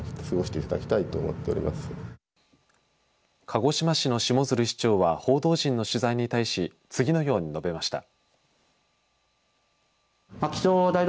鹿児島市の下鶴市長は報道陣の取材に対し次のように述べました。